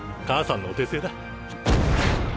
母さんのお手製だ。